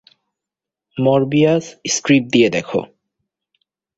Möbius strip দিয়ে দেখো।